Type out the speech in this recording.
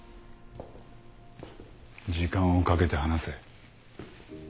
時間をかけて話せ。